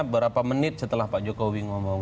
berapa menit setelah pak jokowi ngomong